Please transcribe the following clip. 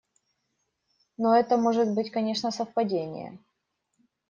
Но это может быть, конечно, совпадение.